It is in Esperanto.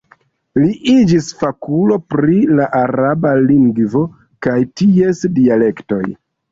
Li iĝis fakulo pri la araba lingvo kaj ties dialektoj.